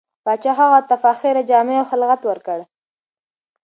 پاچا هغه ته فاخره جامې او خلعت ورکړ.